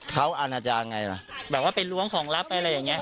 เขาอาณาจารย์ไงล่ะแบบว่าไปล้วงของลับอะไรอย่างเงี้